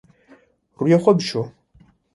Rûyê xwe bişo.